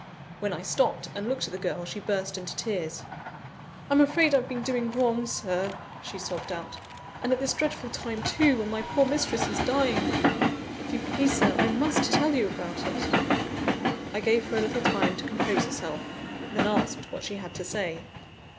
When I stopped and looked at the girl, she burst into tears. "I'm afraid I've been doing wrong, Sir," she sobbed out, "and at this dreadful time too, when my poor mistress is dying! If you please, Sir, I must tell you about it!" I gave her a little time to compose herself; and then asked what she had to say.